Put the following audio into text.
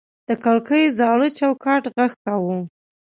د کړکۍ زاړه چوکاټ غږ کاوه.